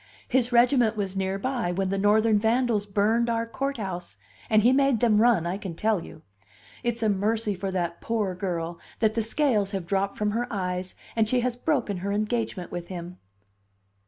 His regiment was near by when the Northern vandals burned our courthouse, and he made them run, I can tell you! It's a mercy for that poor girl that the scales have dropped from her eyes and she has broken her engagement with him."